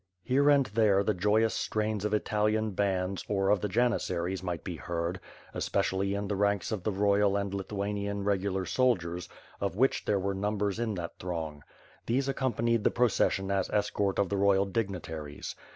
Here and there the joyous strains of Italian bands or of the Janissaries might be heard, especially in the ranks of the royal and Lithuanian regular soldiers, of which there were numbers in that throng. These accompanied the procession as escort of the royal dig nitaries.